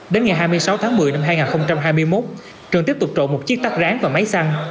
đến ngày hai mươi sáu tháng một mươi năm hai nghìn hai mươi một trường tiếp tục trộn một chiếc tắt ráng và máy xăng